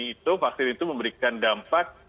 itu vaksin itu memberikan dampak